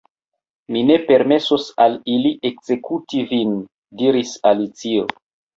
"Mi ne permesos al ili ekzekuti vin," diris Alicio.